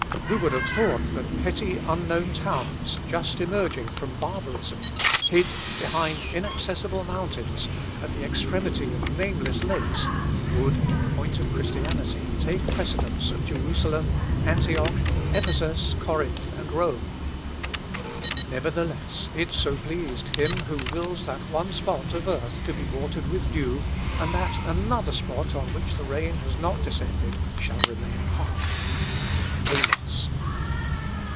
Who would have thought that petty unknown towns, just emerging from barbarism, hid behind inaccessible mountains, at the extremity of nameless lakes, would, in point of Christianity, take precedence of Jerusalem, Antioch, Ephesus, Corinth, and Rome? Nevertheless, it so pleased Him who wills that one spot of earth be watered with dew, and that another spot on which the rain has not descended shall remain parched, (Amos.)